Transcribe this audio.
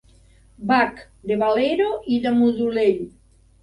Bach, de Valero i de Modolell.